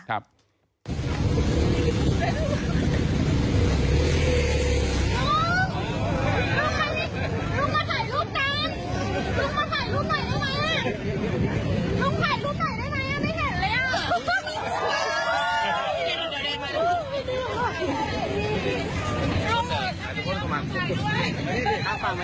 ลุงมาถ่ายรูปกัน